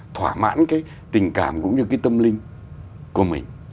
thỏa mãn cái tình cảm cũng như cái tâm linh của mình